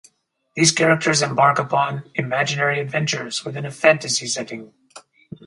These characters embark upon imaginary adventures within a fantasy setting.